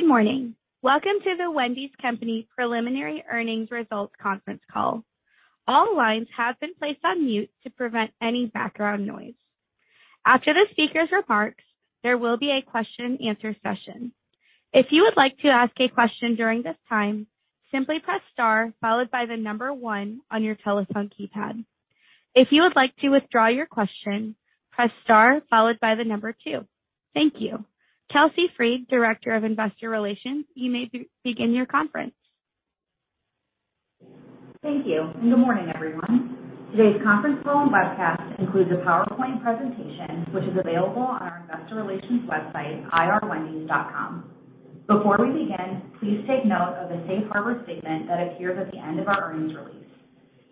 Good morning. Welcome to The Wendy's Company preliminary earnings results conference call. All lines have been placed on mute to prevent any background noise. After the speaker's remarks, there will be a question and answer session. If you would like to ask a question during this time, simply press star followed by one on your telephone keypad. If you would like to withdraw your question, press star followed by two. Thank you. Kelsey Freed, Director of Investor Relations, you may begin your conference. Thank you, and good morning, everyone. Today's conference call and webcast includes a PowerPoint presentation, which is available on our investor relations website, ir.wendys.com. Before we begin, please take note of the safe harbor statement that appears at the end of our earnings release.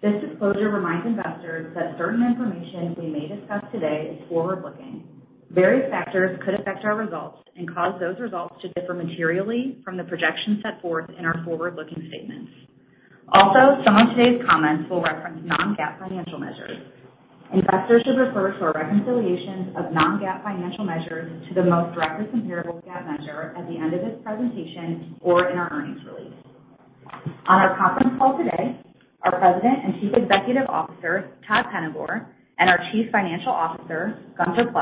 This disclosure reminds investors that certain information we may discuss today is forward-looking. Various factors could affect our results and cause those results to differ materially from the projections set forth in our forward-looking statements. Some of today's comments will reference non-GAAP financial measures. Investors should refer to our reconciliations of non-GAAP financial measures to the most directly comparable GAAP measure at the end of this presentation or in our earnings release. On our conference call today, our President and Chief Executive Officer, Todd Penegor, and our Chief Financial Officer, Gunther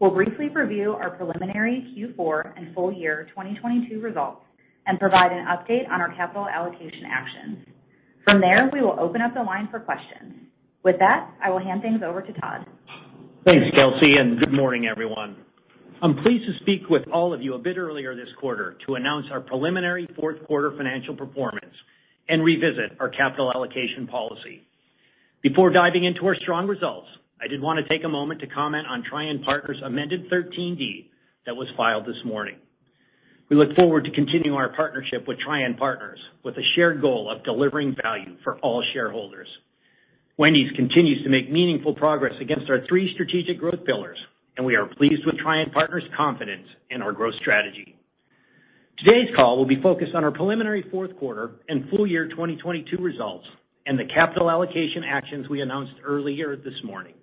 Plosch, will briefly review our preliminary Q4 and full year 2022 results and provide an update on our capital allocation actions. From there, we will open up the line for questions. With that, I will hand things over to Todd. Thanks, Kelsey. Good morning, everyone. I'm pleased to speak with all of you a bit earlier this quarter to announce our preliminary fourth quarter financial performance and revisit our capital allocation policy. Before diving into our strong results, I did wanna take a moment to comment on Trian Partners' amended 13D that was filed this morning. We look forward to continuing our partnership with Trian Partners with a shared goal of delivering value for all shareholders. Wendy's continues to make meaningful progress against our three strategic growth pillars. We are pleased with Trian Partners' confidence in our growth strategy. Today's call will be focused on our preliminary fourth quarter and full year 2022 results and the capital allocation actions we announced earlier this morning.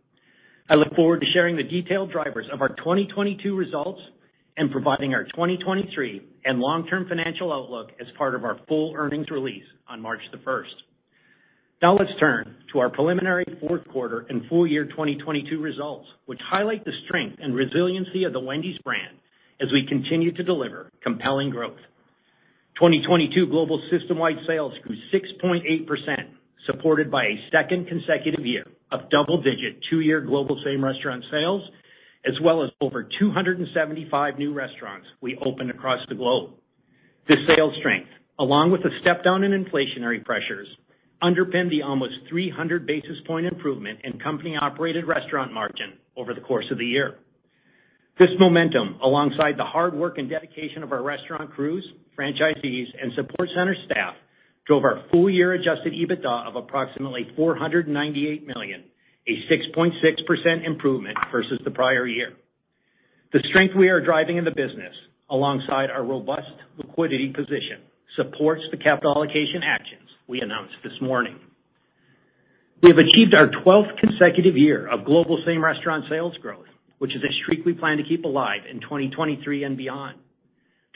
I look forward to sharing the detailed drivers of our 2022 results and providing our 2023 and long-term financial outlook as part of our full earnings release on March first. Let's turn to our preliminary fourth quarter and full year 2022 results, which highlight the strength and resiliency of the Wendy's brand as we continue to deliver compelling growth. 2022 global system-wide sales grew 6.8%, supported by a second consecutive year of double-digit two-year global same-restaurant sales, as well as over 275 new restaurants we opened across the globe. This sales strength, along with a step down in inflationary pressures, underpinned the almost 300 basis point improvement in Company-operated restaurant margin over the course of the year. This momentum, alongside the hard work and dedication of our restaurant crews, franchisees, and support center staff, drove our full year Adjusted EBITDA of approximately $498 million, a 6.6% improvement versus the prior year. The strength we are driving in the business, alongside our robust liquidity position, supports the capital allocation actions we announced this morning. We have achieved our 12th consecutive year of global same-restaurant sales growth, which is a streak we plan to keep alive in 2023 and beyond.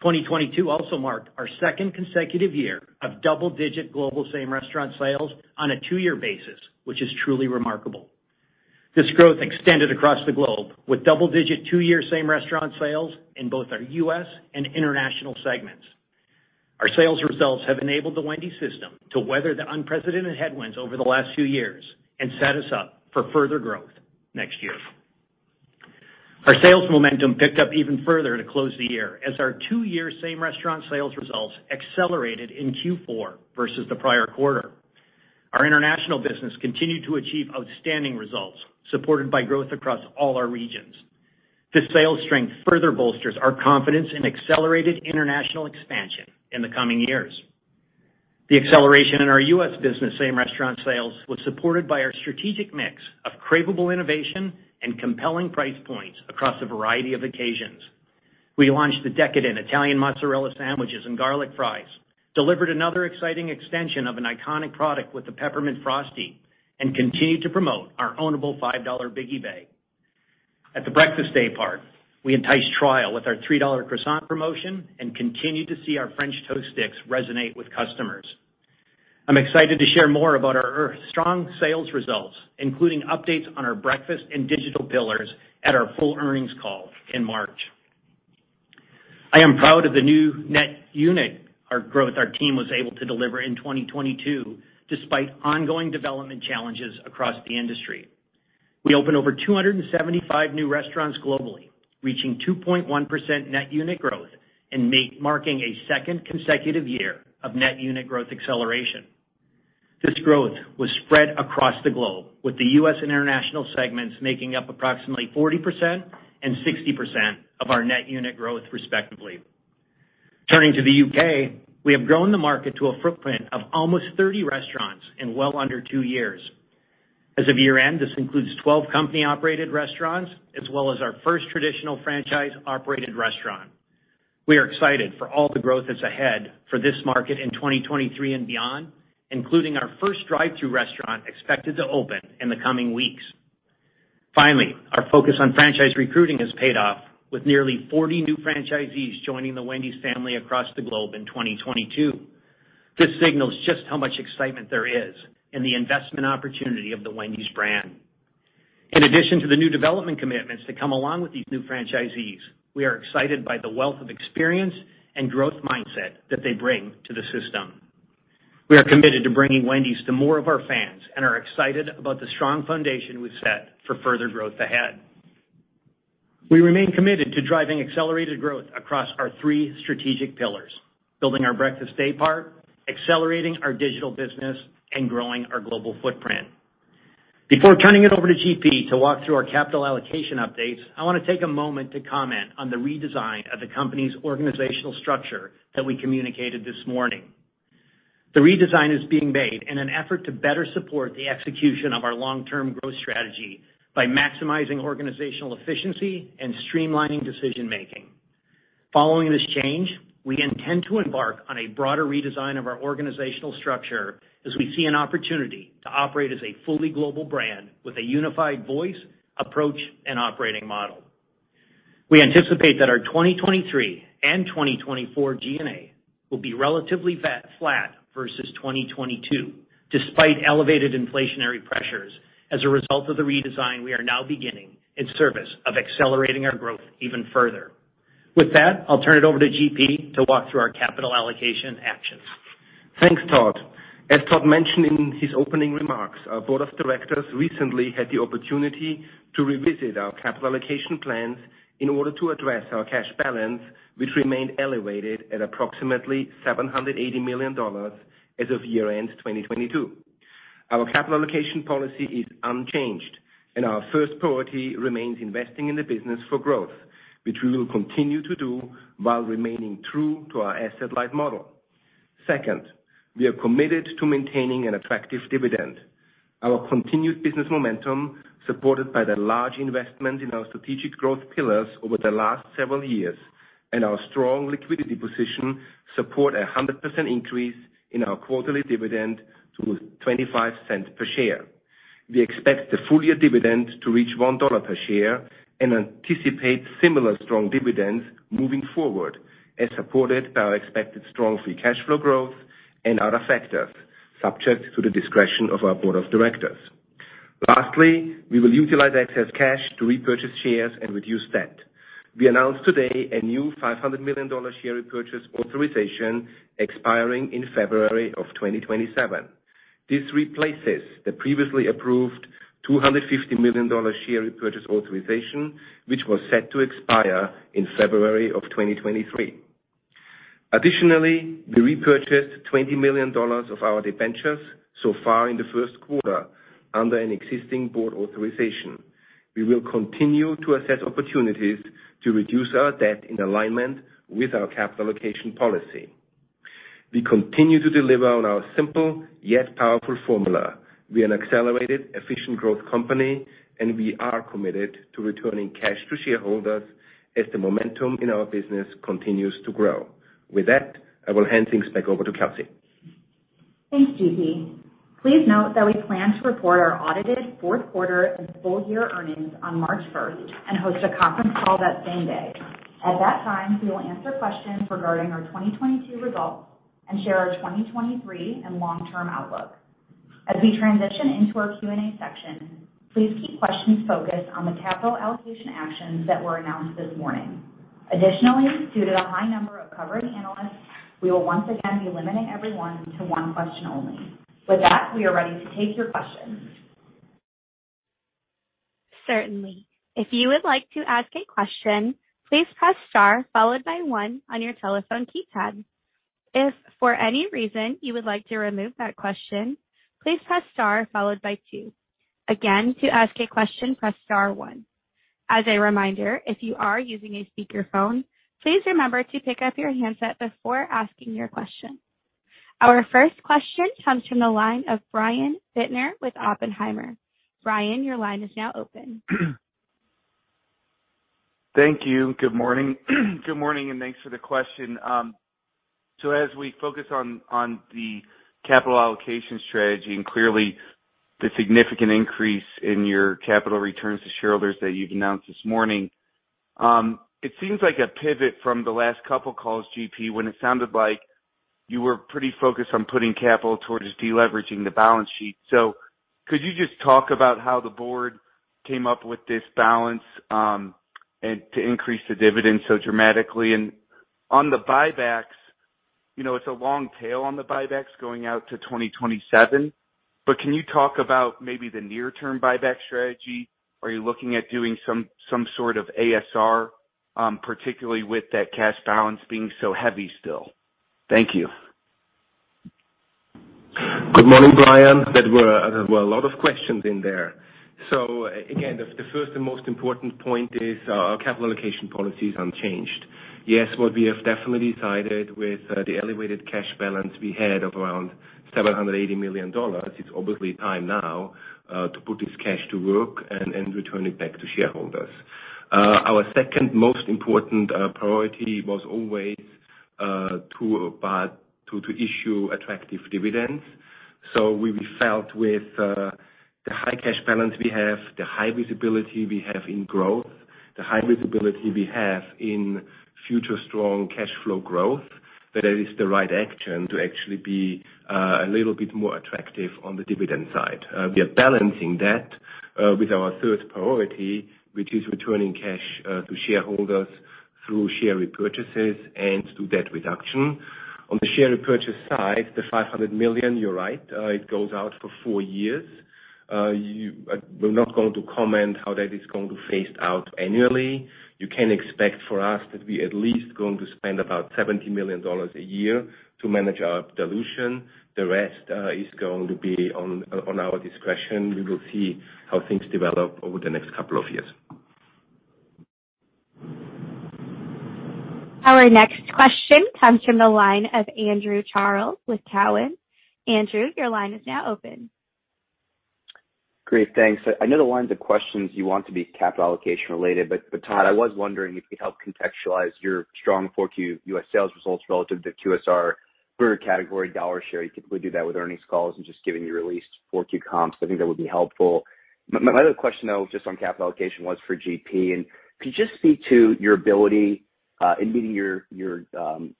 2022 also marked our second consecutive year of double-digit global same-restaurant sales on a two year basis, which is truly remarkable. This growth extended across the globe with double-digit two year same-restaurant sales in both our US and international segments. Our sales results have enabled the Wendy's system to weather the unprecedented headwinds over the last few years and set us up for further growth next year. Our sales momentum picked up even further to close the year as our two year same-restaurant sales results accelerated in Q4 versus the prior quarter. Our international business continued to achieve outstanding results, supported by growth across all our regions. This sales strength further bolsters our confidence in accelerated international expansion in the coming years. The acceleration in our US business same-restaurant sales was supported by our strategic mix of cravable innovation and compelling price points across a variety of occasions. We launched the decadent Italian Mozzarella sandwiches and Garlic Fries, delivered another exciting extension of an iconic product with the Peppermint Frosty and continued to promote our ownable $5 Biggie Bag. At the Breakfast Day part, we enticed trial with our $3 croissant promotion and continued to see our French toast sticks resonate with customers. I'm excited to share more about our strong sales results, including updates on our breakfast and digital pillars at our full earnings call in March. I am proud of the new net unit our team was able to deliver in 2022 despite ongoing development challenges across the industry. We opened over 275 new restaurants globally, reaching 2.1 net unit growth and marking a second consecutive year of net unit growth acceleration. This growth was spread across the globe, with the US and international segments making up approximately 40% and 60% of our net unit growth, respectively. Turning to the U.K., we have grown the market to a footprint of almost 30 restaurants in well under two years. As of year-end, this includes 12 company-operated restaurants as well as our first traditional franchise-operated restaurant. We are excited for all the growth that's ahead for this market in 2023 and beyond, including our first drive-through restaurant expected to open in the coming weeks. Finally, our focus on franchise recruiting has paid off, with nearly 40 new franchisees joining the Wendy's family across the globe in 2022. This signals just how much excitement there is in the investment opportunity of the Wendy's brand. In addition to the new development commitments that come along with these new franchisees, we are excited by the wealth of experience and growth mindset that they bring to the system. We are committed to bringing Wendy's to more of our fans and are excited about the strong foundation we've set for further growth ahead. We remain committed to driving accelerated growth across our three strategic pillars, building our breakfast day part, accelerating our digital business, and growing our global footprint. Before turning it over to GP to walk through our capital allocation updates, I wanna take a moment to comment on the redesign of the company's organizational structure that we communicated this morning. The redesign is being made in an effort to better support the execution of our long-term growth strategy by maximizing organizational efficiency and streamlining decision-making. Following this change, we intend to embark on a broader redesign of our organizational structure as we see an opportunity to operate as a fully global brand with a unified voice, approach, and operating model. We anticipate that our 2023 and 2024 GMA will be relatively flat versus 2022 despite elevated inflationary pressures as a result of the redesign we are now beginning in service of accelerating our growth even further. That, I'll turn it over to GP to walk through our capital allocation actions. Thanks, Todd. As Todd mentioned in his opening remarks, our board of directors recently had the opportunity to revisit our capital allocation plans in order to address our cash balance, which remained elevated at approximately $780 million as of year-end 2022. Our capital allocation policy is unchanged, and our first priority remains investing in the business for growth, which we will continue to do while remaining true to our asset-light model. Second, we are committed to maintaining an attractive dividend. Our continued business momentum, supported by the large investment in our strategic growth pillars over the last several years and our strong liquidity position, support a 100% increase in our quarterly dividend to $0.25 per share. We expect the full year dividend to reach $1 per share and anticipate similar strong dividends moving forward, as supported by our expected strong free cash flow growth and other factors, subject to the discretion of our board of directors. Lastly, we will utilize excess cash to repurchase shares and reduce debt. We announced today a new $500 million share repurchase authorization expiring in February of 2027. This replaces the previously approved $250 million share repurchase authorization, which was set to expire in February of 2023. Additionally, we repurchased $20 million of our debentures so far in the first quarter under an existing board authorization. We will continue to assess opportunities to reduce our debt in alignment with our capital allocation policy. We continue to deliver on our simple yet powerful formula. We are an accelerated, efficient growth company, and we are committed to returning cash to shareholders as the momentum in our business continues to grow. With that, I will hand things back over to Kelsey. Thanks, GP. Please note that we plan to report our audited fourth quarter and full year earnings on March first and host a conference call that same day. At that time, we will answer questions regarding our 2022 results and share our 2023 and long-term outlook. As we transition into our Q&A section, please keep questions focused on the capital allocation actions that were announced this morning. Additionally, due to the high number of covering analysts, we will once again be limiting everyone to one question only. With that, we are ready to take your questions. Certainly. If you would like to ask a question, please press star followed by one on your telephone keypad. If for any reason you would like to remove that question, please press star followed by two. Again, to ask a question, press star one. As a reminder, if you are using a speakerphone, please remember to pick up your handset before asking your question. Our first question comes from the line of Brian Bittner with Oppenheimer. Brian, your line is now open. Thank you. Good morning. Good morning, and thanks for the question. As we focus on the capital allocation strategy and clearly the significant increase in your capital returns to shareholders that you've announced this morning, it seems like a pivot from the last couple calls, GP, when it sounded like you were pretty focused on putting capital towards deleveraging the balance sheet. Could you just talk about how the board came up with this balance, and to increase the dividend so dramatically? On the buybacks, you know, it's a long tail on the buybacks going out to 2027, but can you talk about maybe the near-term buyback strategy? Are you looking at doing some sort of ASR, particularly with that cash balance being so heavy still? Thank you. Good morning, Brian. There were a lot of questions in there. Again, the first and most important point is our capital allocation policy is unchanged. Yes, what we have definitely decided with the elevated cash balance we had of around $780 million, it's obviously time now to put this cash to work and return it back to shareholders. Our second most important priority was always to issue attractive dividends. We felt with the high cash balance we have, the high visibility we have in growth, the high visibility we have in future strong cash flow growth, that it is the right action to actually be a little bit more attractive on the dividend side. We are balancing that with our third priority, which is returning cash to shareholders through share repurchases and through debt reduction. On the share repurchase side, the $500 million, you're right, it goes out for four years. We're not going to comment how that is going to phase out annually. You can expect for us that we at least going to spend about $70 million a year to manage our dilution. The rest is going to be on our discretion. We will see how things develop over the next couple of years. Our next question comes from the line of Andrew Charles with Cowen. Andrew, your line is now open. Great. Thanks. I know the lines of questions you want to be capital allocation related, but Todd, I was wondering if you could help contextualize your strong Q4 US sales results relative to QSR per category dollar share. You typically do that with earnings calls and just giving your released Q4 comps. I think that would be helpful. My other question though, just on capital allocation was for GP. Could you just speak to your ability in meeting your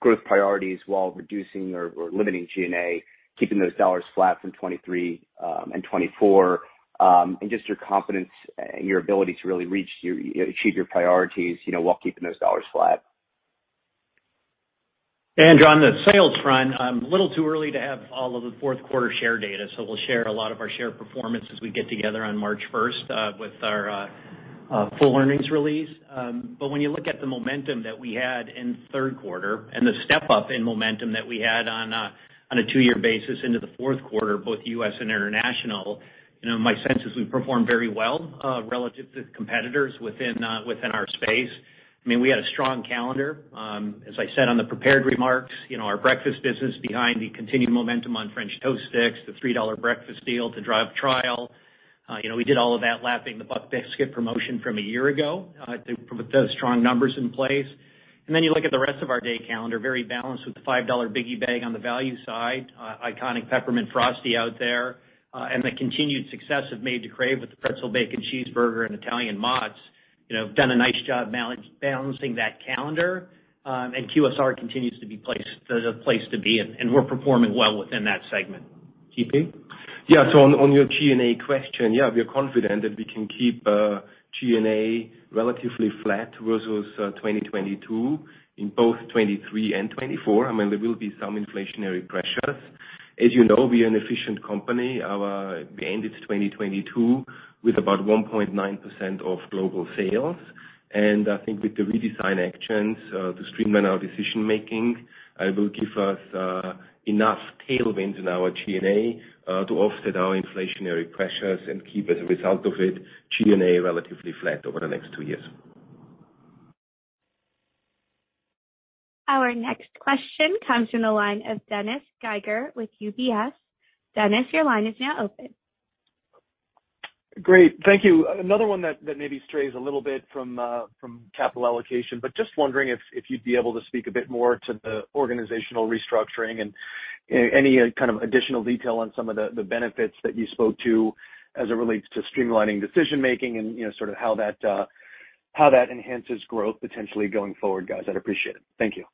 growth priorities while reducing or limiting G&A, keeping those dollars flat from 2023 and 2024, and just your confidence and your ability to really achieve your priorities, you know, while keeping those dollars flat? Andrew, on the sales front, a little too early to have all of the fourth quarter share data. We'll share a lot of our share performance as we get together on March first with our full earnings release. When you look at the momentum that we had in the third quarter and the step up in momentum that we had on a two year basis into the fourth quarter, both US and international, you know, my sense is we performed very well relative to competitors within our space. I mean, we had a strong calendar. As I said on the prepared remarks, you know, our breakfast business behind the continued momentum on French Toast Sticks, the $3 breakfast deal to drive trial. You know, we did all of that lapping the Buck Biscuit promotion from a year ago, to put those strong numbers in place. You look at the rest of our day calendar, very balanced with the $5 Biggie Bag on the value side, iconic Peppermint Frosty out there, and the continued success of Made to Crave with the Pretzel Bacon Cheeseburger and Italian Mods, you know, have done a nice job balancing that calendar. QSR continues to be the place to be, and we're performing well within that segment. GP? Yeah. On your G&A question, yeah, we are confident that we can keep G&A relatively flat versus 2022 in both 2023 and 2024. I mean, there will be some inflationary pressures. As you know, we are an efficient company. We ended 2022 with about 1.9% of global sales. I think with the redesign actions to streamline our decision-making, it will give us enough tailwind in our G&A to offset our inflationary pressures and keep, as a result of it, G&A relatively flat over the next two years. Our next question comes from the line of Dennis Geiger with UBS. Dennis, your line is now open. Great. Thank you. Another one that maybe strays a little bit from capital allocation, but just wondering if you'd be able to speak a bit more to the organizational restructuring and any kind of additional detail on some of the benefits that you spoke to as it relates to streamlining decision-making and, you know, sort of how that, how that enhances growth potentially going forward, guys. I'd appreciate it. Thank you.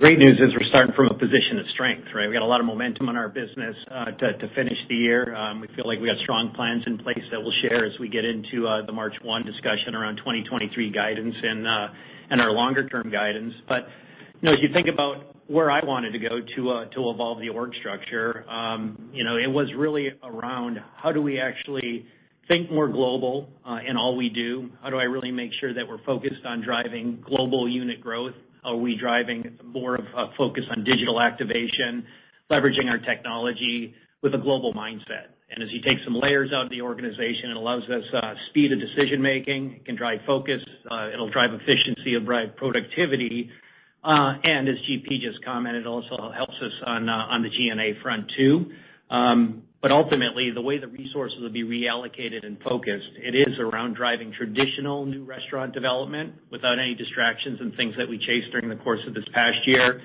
Great news is we're starting from a position of strength, right? We got a lot of momentum on our business to finish the year. We feel like we have strong plans in place that we'll share as we get into the March one discussion around 2023 guidance and our longer term guidance. You know, as you think about where I wanted to go to evolve the org structure, you know, it was really around how do we actually think more global in all we do? How do I really make sure that we're focused on driving global unit growth? Are we driving more of a focus on digital activation, leveraging our technology with a global mindset? As you take some layers out of the organization, it allows us speed of decision-making. It can drive focus. It'll drive efficiency. It'll drive productivity. As GP just commented, it also helps us on the G&A front too. Ultimately, the way the resources will be reallocated and focused, it is around driving traditional new restaurant development without any distractions and things that we chased during the course of this past year,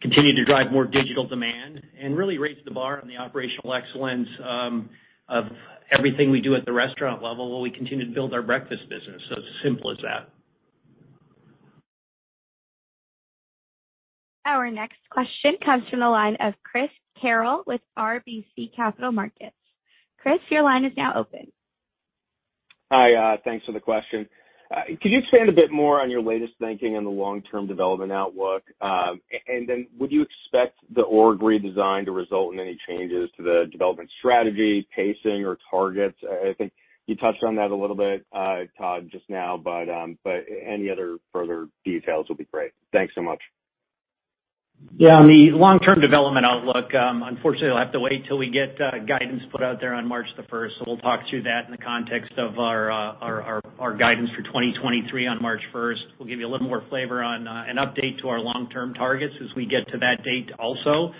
continue to drive more digital demand, and really raise the bar on the operational excellence of everything we do at the restaurant level while we continue to build our breakfast business. It's as simple as that. Our next question comes from the line of Christopher Carril with RBC Capital Markets. Chris, your line is now open. Hi. Thanks for the question. Could you expand a bit more on your latest thinking on the long-term development outlook? Would you expect the org redesign to result in any changes to the development strategy, pacing or targets? I think you touched on that a little bit, Todd, just now, but any other further details would be great. Thanks so much. Yeah, on the long-term development outlook, unfortunately, you'll have to wait till we get guidance put out there on March 1st. We'll talk through that in the context of our guidance for 2023 on March 1st. We'll give you a little more flavor on an update to our long-term targets as we get to that date also.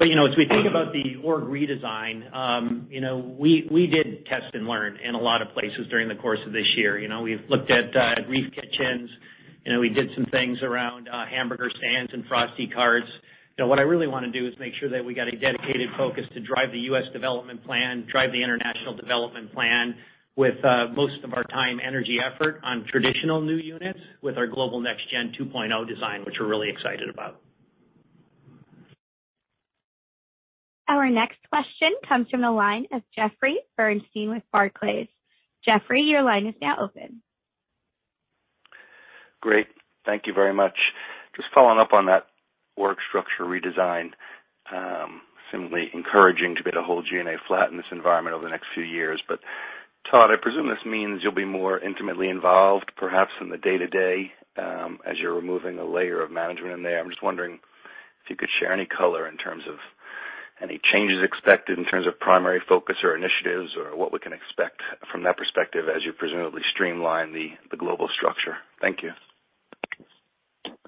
You know, as we think about the org redesign, you know, we did test and learn in a lot of places during the course of this year. You know, we've looked at REEF Kitchens. You know, we did some things around hamburger stands and Frosty Carts. You know, what I really wanna do is make sure that we got a dedicated focus to drive the US development plan, drive the international development plan with most of our time, energy, effort on traditional new units with our Global Next Gen 2.0 design, which we're really excited about. Our next question comes from the line of Jeffrey Bernstein with Barclays. Jeffrey, your line is now open. Great. Thank you very much. Just following up on that org structure redesign, seemingly encouraging to be able to hold G&A flat in this environment over the next few years. Todd, I presume this means you'll be more intimately involved perhaps in the day-to-day, as you're removing a layer of management in there. I'm just wondering if you could share any color in terms of any changes expected in terms of primary focus or initiatives or what we can expect from that perspective as you presumably streamline the global structure. Thank you.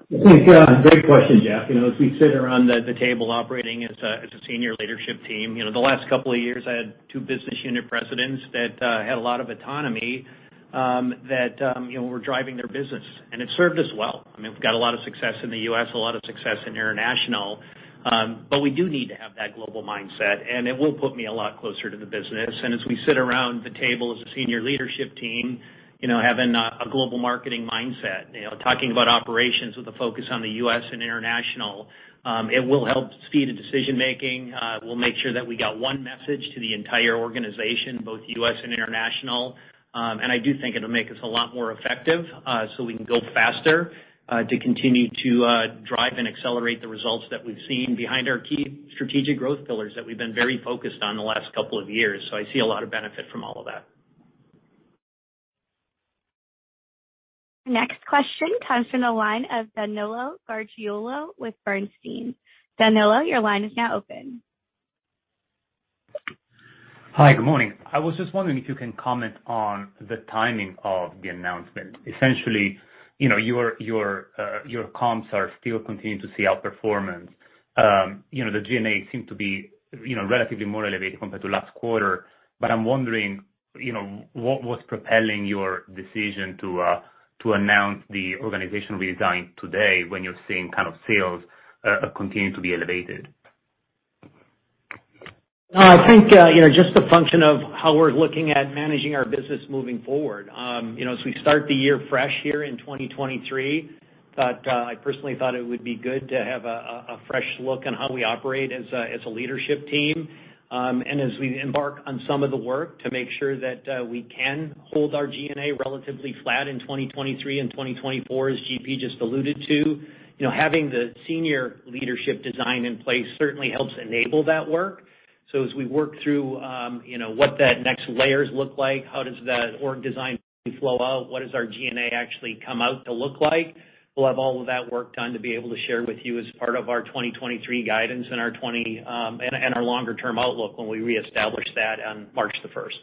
Yeah. Great question, Jeff. You know, as we sit around the table operating as a senior leadership team, you know, the last couple of years, I had two business unit presidents that had a lot of autonomy, that, you know, were driving their business, and it served us well. I mean, we've got a lot of success in the U.S., a lot of success in international. We do need to have that global mindset, and it will put me a lot closer to the business. As we sit around the table as a senior leadership team, you know, having a global marketing mindset, you know, talking about operations with a focus on the U.S. and international, it will help speed the decision-making. We'll make sure that we got one message to the entire organization, both U.S. and international. I do think it'll make us a lot more effective, so we can go faster, to continue to drive and accelerate the results that we've seen behind our key strategic growth pillars that we've been very focused on the last couple of years. I see a lot of benefit from all of that. Next question comes from the line of Danilo Gargiulo with Bernstein. Danilo, your line is now open. Hi. Good morning. I was just wondering if you can comment on the timing of the announcement. Essentially, you know, your comps are still continuing to see outperformance. You know, the G&A seem to be, you know, relatively more elevated compared to last quarter. I'm wondering, you know, what was propelling your decision to announce the organizational redesign today when you're seeing kind of sales continue to be elevated? No, I think, you know, just a function of how we're looking at managing our business moving forward. You know, as we start the year fresh here in 2023, I personally thought it would be good to have a fresh look on how we operate as a leadership team. As we embark on some of the work to make sure that we can hold our G&A relatively flat in 2023 and 2024, as GP just alluded to. You know, having the senior leadership design in place certainly helps enable that work. As we work through, you know, what that next layers look like, how does that org design flow out, what does our G&A actually come out to look like, we'll have all of that work done to be able to share with you as part of our 2023 guidance and our 20, and our longer term outlook when we reestablish that on March 1st.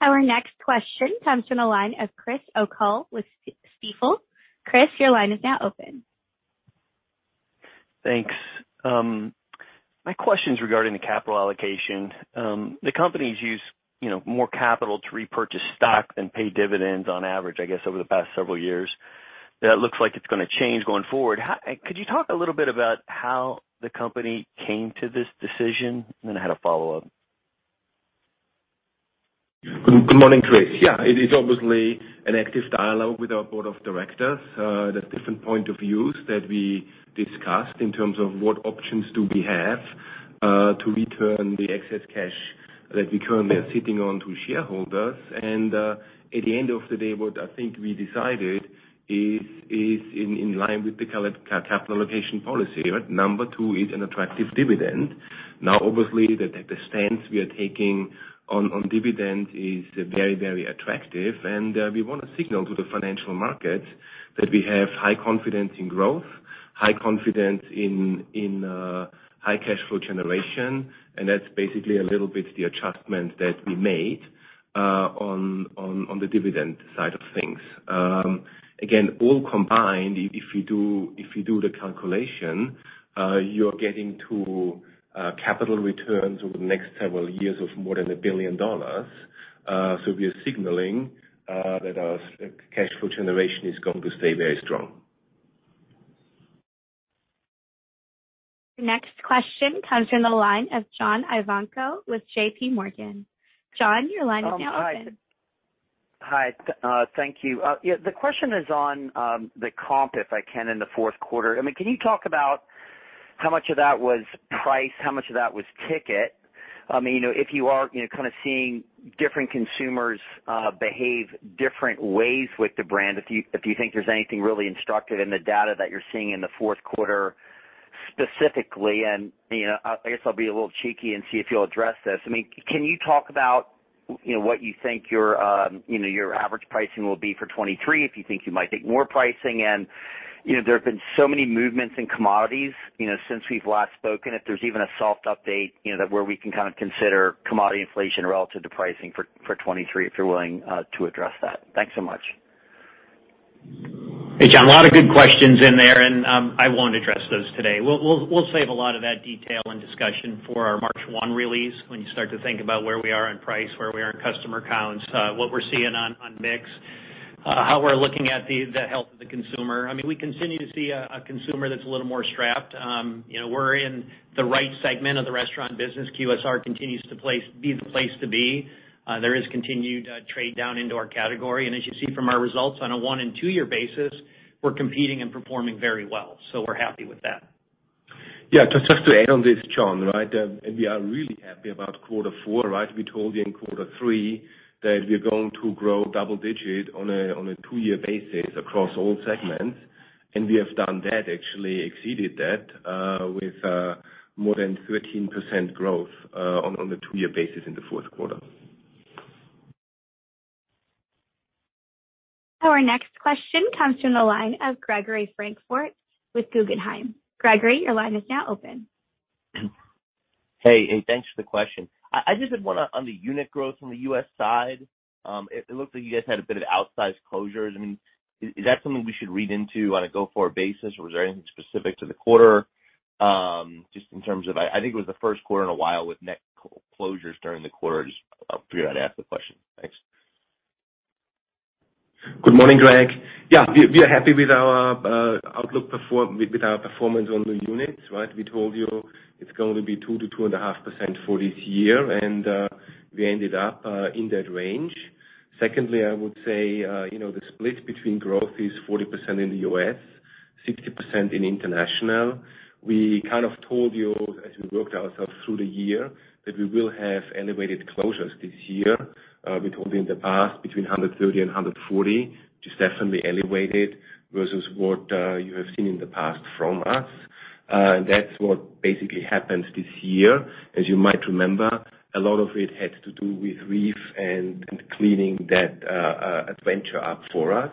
Our next question comes from the line of Chris O'Cull with Stifel. Chris, your line is now open. Thanks. My question's regarding the capital allocation. The company's used, you know, more capital to repurchase stock than pay dividends on average, I guess, over the past several years. That looks like it's gonna change going forward. Could you talk a little bit about how the company came to this decision? I had a follow-up. Good morning, Chris. It is obviously an active dialogue with our board of directors. There's different point of views that we discussed in terms of what options do we have to return the excess cash that we currently are sitting on to shareholders. At the end of the day, what I think we decided is in line with the capital allocation policy. Two is an attractive dividend. Obviously, the stance we are taking on dividend is very attractive. We wanna signal to the financial markets that we have high confidence in growth, high confidence in high cash flow generation, and that's basically a little bit the adjustment that we made on the dividend side of things. Again, all combined, if you do the calculation, you're getting to capital returns over the next several years of more than $1 billion. We are signaling that our cash flow generation is going to stay very strong. Next question comes from the line of John Ivankoe with JPMorgan. John, your line is now open. Hi. Hi, thank you. Yeah, the question is on the comp, if I can, in the fourth quarter. I mean, can you talk about how much of that was price, how much of that was ticket? I mean, you know, if you are, you know, kind of seeing different consumers behave different ways with the brand, if you, if you think there's anything really instructive in the data that you're seeing in the fourth quarter specifically. You know, I guess I'll be a little cheeky and see if you'll address this. I mean, can you talk about, you know, what you think your average pricing will be for 2023, if you think you might take more pricing in? You know, there have been so many movements in commodities, you know, since we've last spoken. If there's even a soft update, you know, that where we can kind of consider commodity inflation relative to pricing for 2023, if you're willing to address that. Thanks so much. Hey, John, a lot of good questions in there. I won't address those today. We'll save a lot of that detail and discussion for our March one release when you start to think about where we are on price, where we are in customer counts, what we're seeing on mix, how we're looking at the health of the consumer. I mean, we continue to see a consumer that's a little more strapped. You know, we're in the right segment of the restaurant business. QSR continues to be the place to be. There is continued trade down into our category. As you see from our results on a one and two year basis, we're competing and performing very well. We're happy with that. Yeah. Just to add on this, John, right? We are really happy about quarter four, right? We told you in quarter three that we're going to grow double-digit on a two year basis across all segments, we have done that. Actually exceeded that with more than 13% growth on the two year basis in the fourth quarter. Our next question comes from the line of Gregory Francfort with Guggenheim. Gregory, your line is now open. Hey. Hey, thanks for the question. I just did wanna On the unit growth from the U.S. side, it looks like you guys had a bit of outsized closures. I mean, is that something we should read into on a go-forward basis, or was there anything specific to the quarter? Just in terms of I think it was the first quarter in a while with net closures during the quarter. Just figured I'd ask the question. Thanks. Good morning, Greg. Yeah. We are happy with our outlook with our performance on the units, right? We told you it's going to be 2% to 2.5% for this year, and we ended up in that range. Secondly, I would say, you know, the split between growth is 40% in the U.S., 60% in international. We kind of told you as we worked ourselves through the year that we will have elevated closures this year. We told you in the past between 130 and 140, which is definitely elevated versus what you have seen in the past from us. That's what basically happened this year. As you might remember, a lot of it had to do with REEF and cleaning that adventure up for us.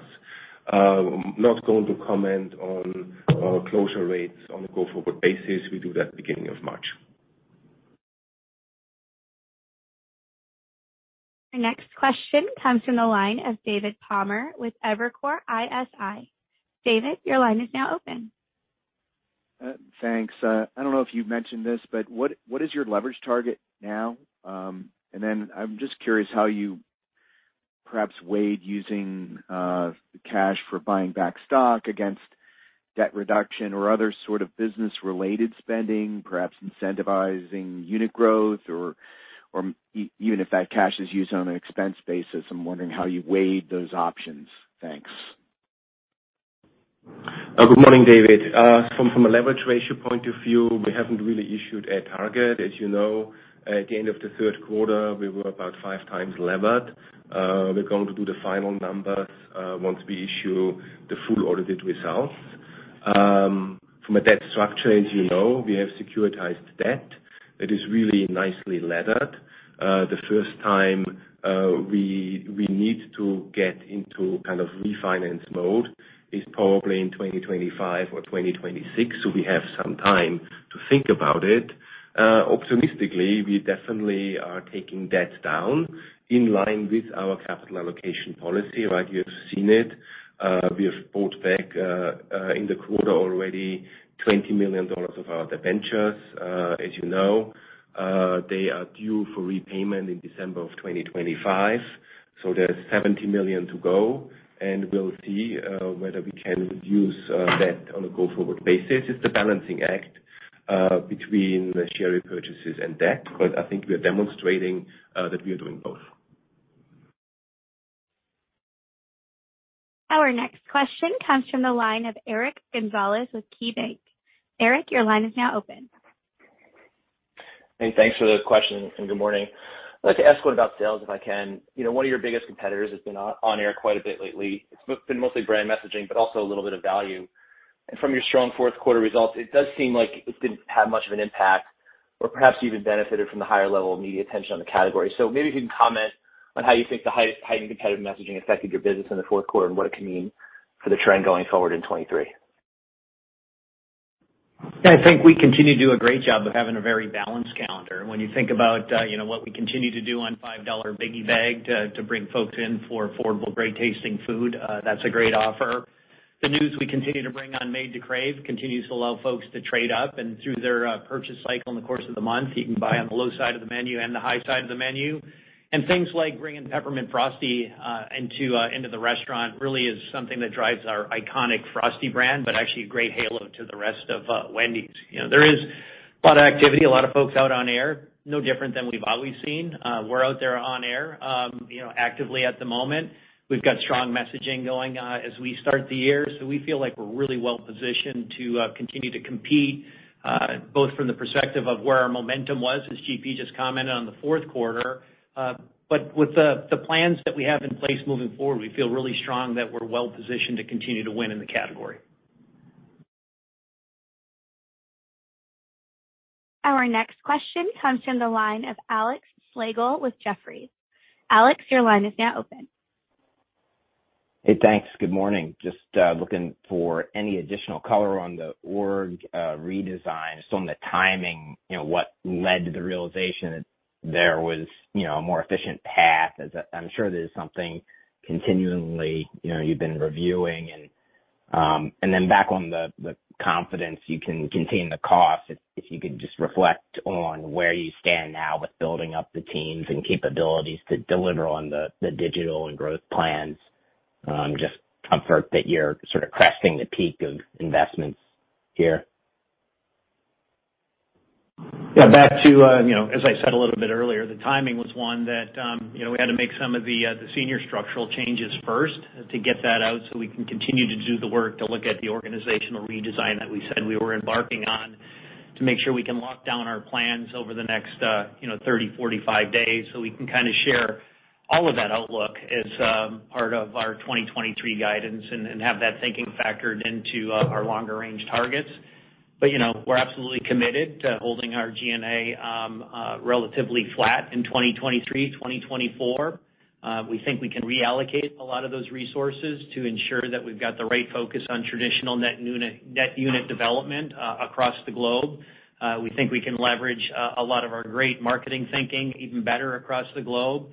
Not going to comment on our closure rates on a go-forward basis. We do that beginning of March. Our next question comes from the line of David Palmer with Evercore ISI. David, your line is now open. Thanks. I don't know if you've mentioned this, but what is your leverage target now? I'm just curious how you perhaps weighed using cash for buying back stock against debt reduction or other sort of business related spending, perhaps incentivizing unit growth or even if that cash is used on an expense basis. I'm wondering how you weighed those options. Thanks. Good morning, David. From a leverage ratio point of view, we haven't really issued a target. As you know, at the end of the third quarter, we were about five times levered. We're going to do the final numbers once we issue the full audited results. From a debt structure, as you know, we have securitized debt that is really nicely levered. The first time we need to get into kind of refinance mode is probably in 2025 or 2026, we have some time to think about it. Optimistically, we definitely are taking debt down in line with our capital allocation policy. Right? You've seen it. We have bought back in the quarter already $20 million of our debentures. As you know, they are due for repayment in December of 2025, so there's $70 million to go, and we'll see whether we can reduce that on a go-forward basis. It's the balancing act between the share repurchases and debt. I think we are demonstrating that we are doing both. Our next question comes from the line of Eric Gonzalez with KeyBanc. Eric, your line is now open. Hey, thanks for the question, and good morning. I'd like to ask one about sales, if I can. You know, one of your biggest competitors has been on air quite a bit lately. It's been mostly brand messaging but also a little bit of value. From your strong fourth quarter results, it does seem like it didn't have much of an impact or perhaps even benefited from the higher level of media attention on the category. Maybe if you can comment on how you think the heightened competitive messaging affected your business in the fourth quarter and what it could mean for the trend going forward in 2023. Yeah. I think we continue to do a great job of having a very balanced calendar. When you think about, you know, what we continue to do on $5 Biggie Bag to bring folks in for affordable, great tasting food, that's a great offer. The news we continue to bring on Made to Crave continues to allow folks to trade up and through their purchase cycle in the course of the month. You can buy on the low side of the menu and the high side of the menu. Things like bringing Peppermint Frosty into the restaurant really is something that drives our iconic Frosty brand, but actually a great halo to the rest of Wendy's. You know, there is a lot of activity, a lot of folks out on air, no different than we've always seen. We're out there on air, you know, actively at the moment. We've got strong messaging going as we start the year, so we feel like we're really well positioned to continue to compete both from the perspective of where our momentum was, as GP just commented on the fourth quarter. With the plans that we have in place moving forward, we feel really strong that we're well positioned to continue to win in the category. Our next question comes from the line of Alexander Slagle with Jefferies. Alex, your line is now open. Hey, thanks. Good morning. Just looking for any additional color on the org redesign, just on the timing. You know, what led to the realization that there was, you know, a more efficient path? I'm sure this is something continually, you know, you've been reviewing and. Back on the confidence you can contain the cost, if you could just reflect on where you stand now with building up the teams and capabilities to deliver on the digital and growth plans. Just comfort that you're sort of cresting the peak of investments here? Yeah. Back to, you know, as I said a little bit earlier, the timing was one that, you know, we had to make some of the senior structural changes first to get that out so we can continue to do the work to look at the organizational redesign that we said we were embarking on to make sure we can lock down our plans over the next, you know, 30-45 days so we can kinda share all of that outlook as part of our 2023 guidance and have that thinking factored into our longer range targets. You know, we're absolutely committed to holding our G&A relatively flat in 2023, 2024. We think we can reallocate a lot of those resources to ensure that we've got the right focus on traditional net unit development across the globe. We think we can leverage a lot of our great marketing thinking even better across the globe.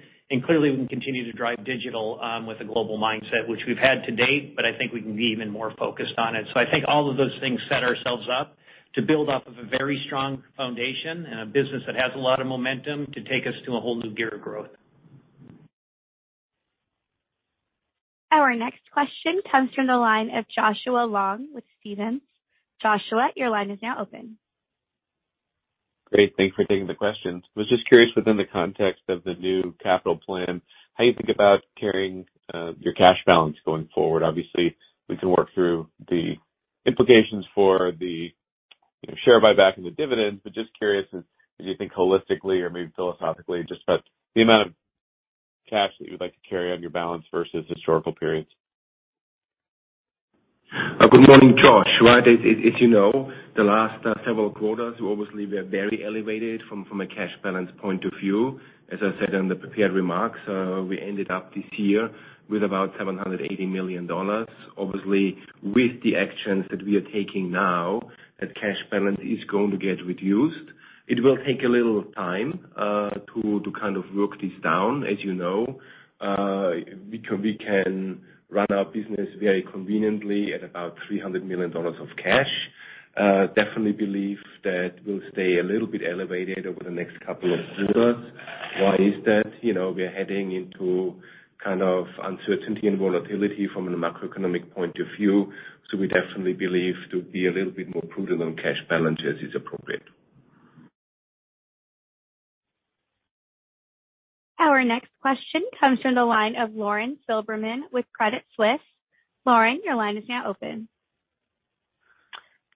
Clearly, we can continue to drive digital with a global mindset, which we've had to date, but I think we can be even more focused on it. I think all of those things set ourselves up to build off of a very strong foundation and a business that has a lot of momentum to take us to a whole new gear of growth. Our next question comes from the line of Joshua Long with Stephens. Joshua, your line is now open. Great. Thank you for taking the questions. Was just curious within the context of the new capital plan, how you think about carrying your cash balance going forward. Obviously, we can work through the implications for the, you know, share buyback and the dividends, but just curious if you think holistically or maybe philosophically just about the amount of cash that you would like to carry on your balance versus historical periods. Good morning, Josh. Right. As you know, the last several quarters, obviously we are very elevated from a cash balance point of view. As I said in the prepared remarks, we ended up this year with about $780 million. Obviously, with the actions that we are taking now, that cash balance is going to get reduced. It will take a little time to kind of work this down. As you know, we can run our business very conveniently at about $300 million of cash. Definitely believe that we'll stay a little bit elevated over the next couple of quarters. Why is that? You know, we are heading into kind of uncertainty and volatility from the macroeconomic point of view, so we definitely believe to be a little bit more prudent on cash balances is appropriate. Our next question comes from the line of Lauren Silberman with Credit Suisse. Lauren, your line is now open.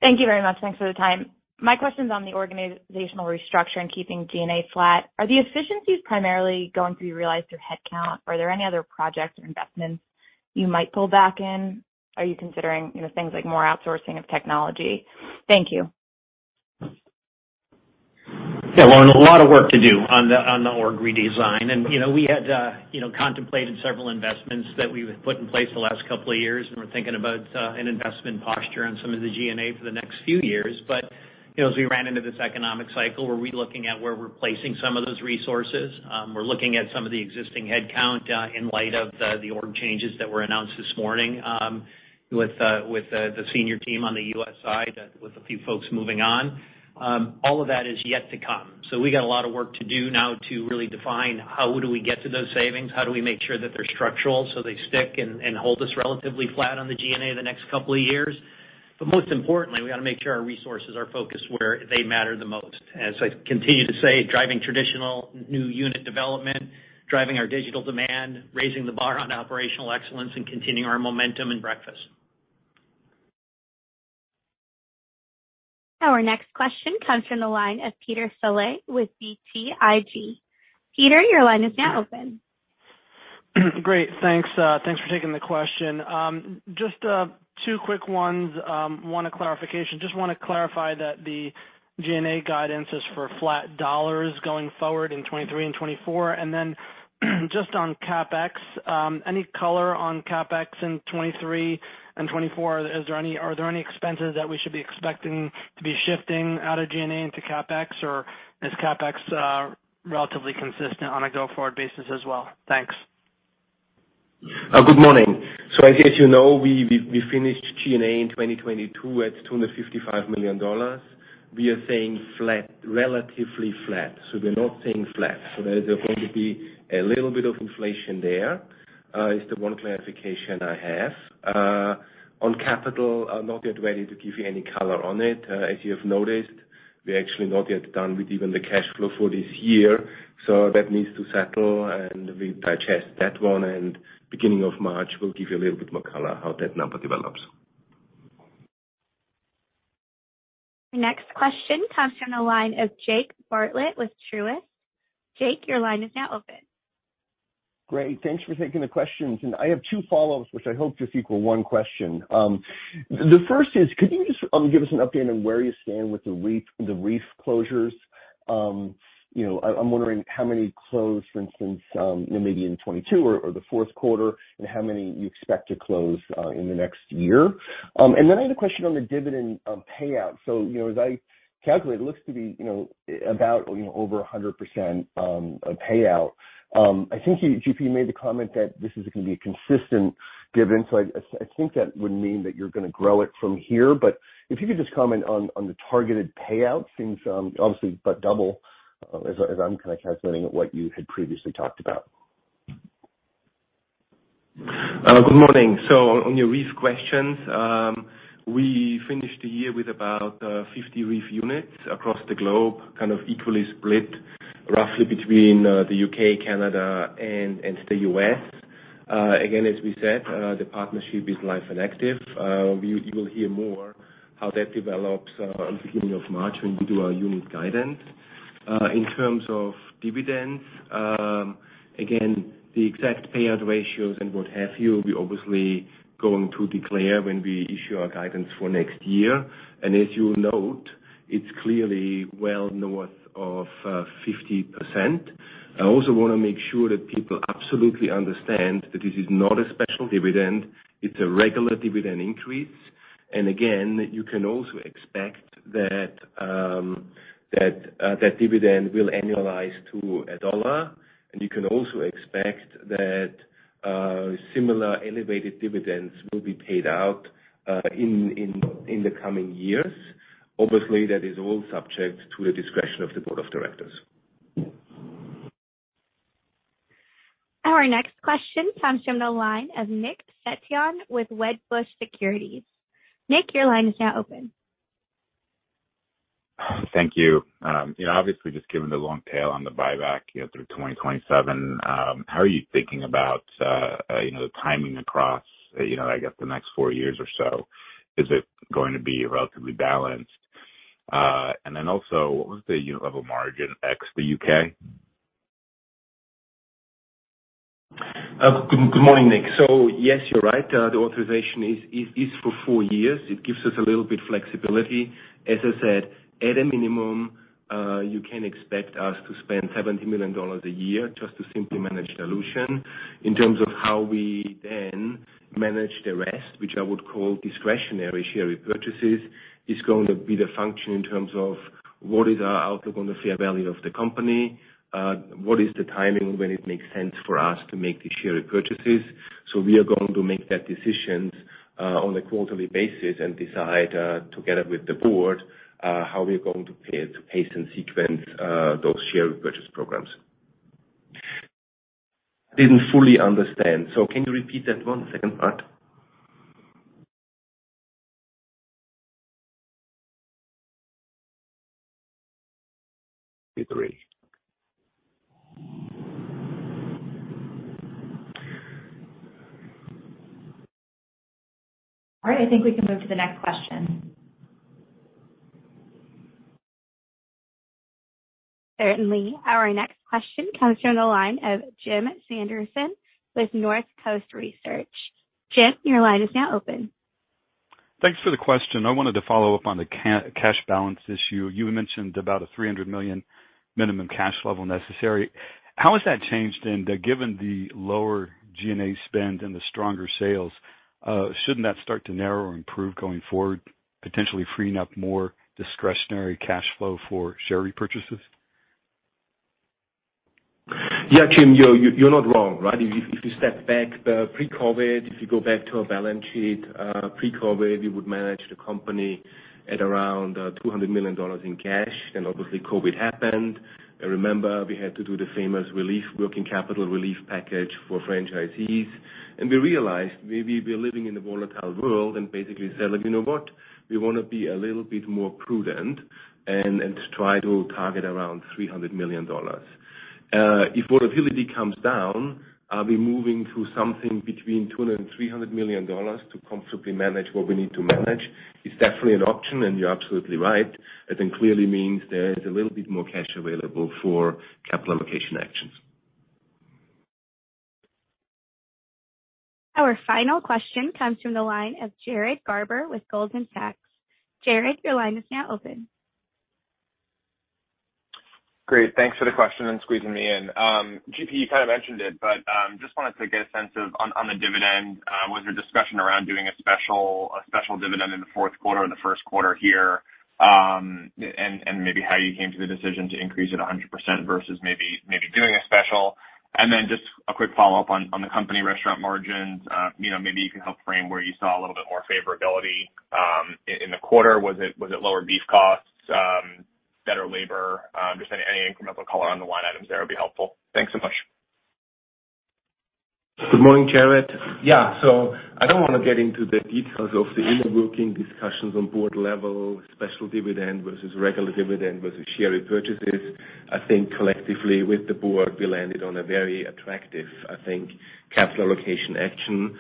Thank you very much. Thanks for the time. My question's on the organizational restructure and keeping G&A flat. Are the efficiencies primarily going to be realized through headcount? Are there any other projects or investments you might pull back in? Are you considering, you know, things like more outsourcing of technology? Thank you. Yeah, Lauren, a lot of work to do on the, on the org redesign. You know, we had, you know, contemplated several investments that we've put in place the last couple of years, and we're thinking about an investment posture on some of the G&A for the next few years. You know, as we ran into this economic cycle, we're relooking at where we're placing some of those resources. We're looking at some of the existing headcount in light of the org changes that were announced this morning, with the senior team on the U.S. side, with a few folks moving on. All of that is yet to come. We got a lot of work to do now to really define how do we get to those savings, how do we make sure that they're structural so they stick and hold us relatively flat on the G&A the next couple of years. Most importantly, we gotta make sure our resources are focused where they matter the most. As I continue to say, driving traditional new unit development, driving our digital demand, raising the bar on operational excellence, and continuing our momentum in breakfast. Our next question comes from the line of Peter Saleeby with BTIG. Peter, your line is now open. Great. Thanks, thanks for taking the question. Just two quick ones. One, a clarification. Just want to clarify that the G&A guidance is for flat dollars going forward in 2023 and 2024. Just on CapEx, any color on CapEx in 2023 and 2024? Are there any expenses that we should be expecting to be shifting out of G&A into CapEx, or is CapEx relatively consistent on a go-forward basis as well? Thanks. Good morning. As you know, we finished G&A in 2022 at $255 million. We are saying flat, relatively flat. We're not saying flat. There's going to be a little bit of inflation there, is the one clarification I have. On capital, I'm not yet ready to give you any color on it. As you have noticed, we're actually not yet done with even the cash flow for this year, so that needs to settle, and we digest that one, and beginning of March, we'll give you a little bit more color how that number develops. The next question comes from the line of Jake Bartlett with Truist. Jake, your line is now open. Great. Thanks for taking the questions. I have two follow-ups which I hope just equal one question. The first is, could you just give us an update on where you stand with the REEF closures? You know, I'm wondering how many closed, for instance, you know, maybe in 2022 or the fourth quarter, and how many you expect to close in the next year. And then I had a question on the dividend payout. You know, as I calculate, it looks to be, you know, about, you know, over 100% of payout. I think you, GP, made the comment that this is gonna be a consistent dividend, so I think that would mean that you're gonna grow it from here. If you could just comment on the targeted payout seems obviously about double, as I'm kinda calculating what you had previously talked about. Good morning. On your RIV questions, we finished the year with about 50 RIV units across the globe, kind of equally split roughly between the U.K., Canada, and the U.S. Again, as we said, the partnership is live and active. You will hear more how that develops beginning of March when we do our unit guidance. In terms of dividends, again, the exact payout ratios and what have you, we obviously going to declare when we issue our guidance for next year. As you'll note, it's clearly well north of 50%. I also wanna make sure that people absolutely understand that this is not a special dividend, it's a regular dividend increase. Again, you can also expect that that dividend will annualize to $1. You can also expect that, similar elevated dividends will be paid out, in the coming years. Obviously, that is all subject to the discretion of the board of directors. Our next question comes from the line of Nick Setyan with Wedbush Securities. Nick, your line is now open. w, obviously just given the long tail on the buyback, you know, through 2027, how are you thinking about, you know, the timing across, you know, I guess the next four years or so? Is it going to be relatively balanced? And then also, what was the unit level margin ex the UK Good morning, Nick. Yes, you're right. The authorization is for four years. It gives us a little bit flexibility. As I said, at a minimum, you can expect us to spend $70 million a year just to simply manage dilution. In terms of how we then manage the rest, which I would call discretionary share repurchases, is going to be the function in terms of what is our outlook on the fair value of the company, what is the timing when it makes sense for us to make the share repurchases. We are going to make that decisions on a quarterly basis and decide together with the board, how we're going to pace and sequence those share repurchase programs. Didn't fully understand. Can you repeat that 1 second part? Two, three. All right, I think we can move to the next question. Certainly. Our next question comes from the line of Jim Sanderson with Northcoast Research. Jim, your line is now open. Thanks for the question. I wanted to follow up on the cash balance issue. You had mentioned about a $300 million minimum cash level necessary. How has that changed then, given the lower G&A spend and the stronger sales, shouldn't that start to narrow or improve going forward, potentially freeing up more discretionary cash flow for share repurchases? Yeah, Jim, you're not wrong, right? If you step back, pre-COVID, if you go back to our balance sheet, pre-COVID, we would manage the company at around $200 million in cash. Obviously COVID happened. Remember, we had to do the famous relief, working capital relief package for franchisees. We realized maybe we're living in a volatile world and basically said, "You know what? We wanna be a little bit more prudent and try to target around $300 million." If volatility comes down, are we moving to something between $200 million and $300 million to comfortably manage what we need to manage? It's definitely an option, and you're absolutely right. That then clearly means there is a little bit more cash available for capital allocation actions. Our final question comes from the line of Jared Garber with Goldman Sachs. Jared, your line is now open. Great. Thanks for the question and squeezing me in. GP, you kinda mentioned it, but just wanted to get a sense of on the dividend, was there discussion around doing a special dividend in the fourth quarter or the first quarter here? Maybe how you came to the decision to increase it 100% versus maybe doing a special. Then just a quick follow-up on the company restaurant margins. You know, maybe you can help frame where you saw a little bit more favorability in the quarter. Was it lower beef costs, better labor? Just any incremental color on the line items there would be helpful. Thanks so much. Good morning, Jared. Yeah. I don't wanna get into the details of the inner working discussions on board level, special dividend versus regular dividend versus share repurchases. I think collectively with the board, we landed on a very attractive, I think, capital allocation action.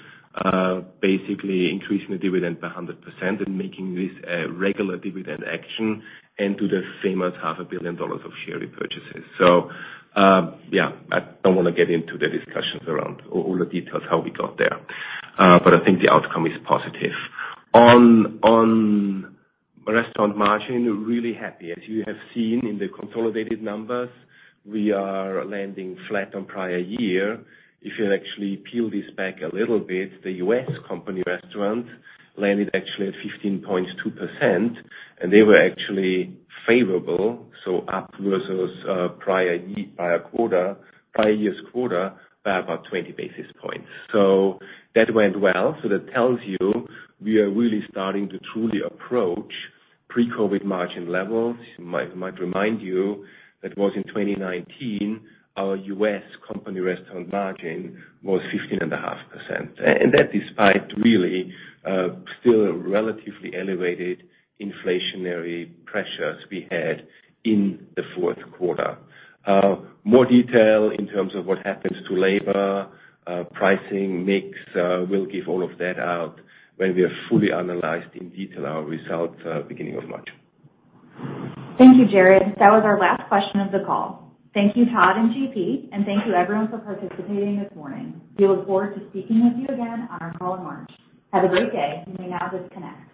Basically increasing the dividend by 100% and making this a regular dividend action and do the famous half a billion dollars of share repurchases. Yeah, I don't wanna get into the discussions around all the details how we got there. I think the outcome is positive. On restaurant margin, really happy. As you have seen in the consolidated numbers, we are landing flat on prior year. If you actually peel this back a little bit, the US company restaurant landed actually at 15.2%, and they were actually favorable, so up versus prior quarter, prior year's quarter by about 20 basis points. That went well. That tells you we are really starting to truly approach pre-COVID margin levels. Might remind you that was in 2019, our US company restaurant margin was fifteen and a half percent. That despite really still relatively elevated inflationary pressures we had in the fourth quarter. More detail in terms of what happens to labor, pricing, mix, we'll give all of that out when we have fully analyzed in detail our results, beginning of March. Thank you, Jared. That was our last question of the call. Thank you, Todd and GP. Thank you everyone for participating this morning. We look forward to speaking with you again on our call in March. Have a great day. You may now disconnect.